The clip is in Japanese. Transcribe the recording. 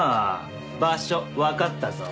場所わかったぞ。